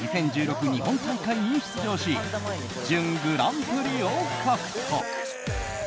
日本大会に出場し準グランプリを獲得。